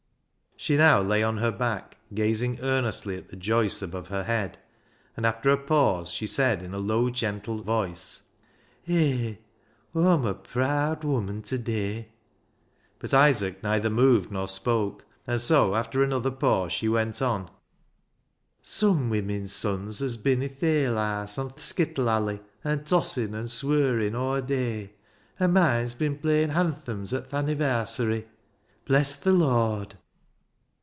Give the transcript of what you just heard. She now lay on her back gazing earnestly at the joists above 264 BECKSIDE LIGHTS her head, and after a pause she said in a low, gentle voice —" Hay, Aw'm a praad woman ta day." But Isaac neither moved nor spoke, and so after another pause, she went on —" Sum women's sons 'as bin i' th' ale haase an' th' skittle alley an' tossin' an' swurrin' [swearing] aw day, an' moine's bin playin' hanthums at th' annivarsary. Bless th' Lord